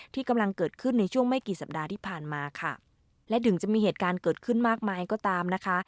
ที่กำลังเกิดขึ้นในช่วงไม่กี่สัปดาห์ที่ผ่านมาค่ะและถึงจะมีเหตุการณ์เกิดขึ้นมากมายก็ตามนะคะ